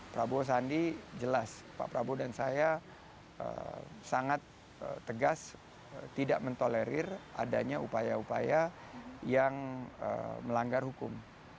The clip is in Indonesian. prabowo sandi jelas pak prabowo dan saya sangat tegas tidak mentolerir adanya upaya upaya yang melanggar hukum